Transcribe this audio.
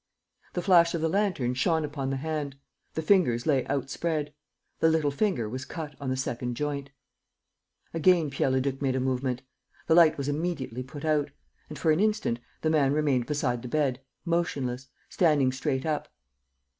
The flash of the lantern shone upon the hand. The fingers lay outspread. The little finger was cut on the second joint. Again Pierre Leduc made a movement. The light was immediately put out; and, for an instant, the man remained beside the bed, motionless, standing straight up.